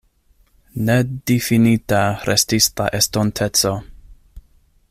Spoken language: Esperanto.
Nedifinita restis la estonteco.